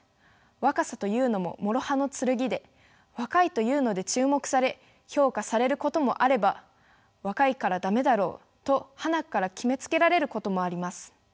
若さというのももろ刃の剣で若いというので注目され評価されることもあれば若いから駄目だろうとはなっから決めつけられることもあります。